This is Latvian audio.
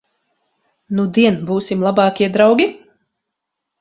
Nudien būsim labākie draugi?